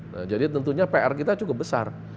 nah jadi tentunya pr kita cukup besar